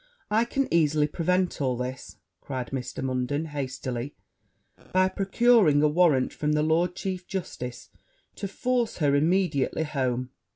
'I can easily prevent all this,' cried Mr. Munden hastily, 'by procuring a warrant from the Lord Chief Justice to force her immediately home.'